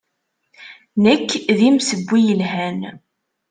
Nekk d imsewwi yelhan.